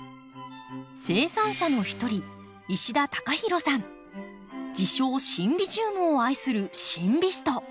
生産者の一人自称シンビジウムを愛するシンビスト。